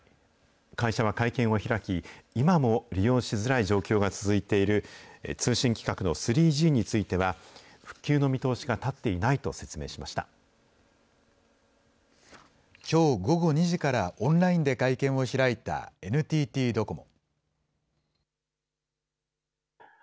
会社は会見を開き、今も利用しづらい状況が続いている、通信規格の３Ｇについては、復旧の見通しが立っていないと説明しきょう午後２時から、オンラインで会見を開いたＮＴＴドコモ。